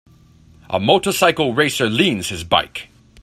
A motorcycle racer leans his bike.